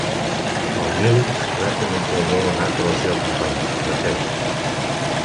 El Neelix rep un pulmó donat de la seva companya, la Kes.